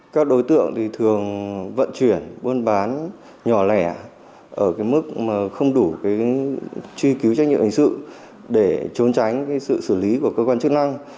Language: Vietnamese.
các đối tượng thường vận chuyển buôn bán nhỏ lẻ ở mức không đủ truy cứu trách nhiệm hình sự để trốn tránh sự xử lý của cơ quan chức năng